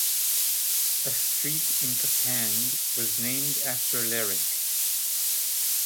A street in Kupang was named after Lerik.